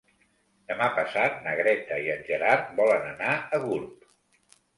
Demà passat na Greta i en Gerard volen anar a Gurb.